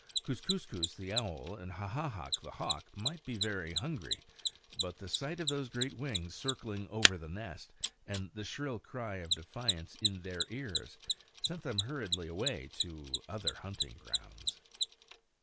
Kookooskoos the owl and Hawahak the hawk might be very hungry; but the sight of those great wings circling over the nest and the shrill cry of defiance in their ears sent them hurriedly away to other hunting grounds.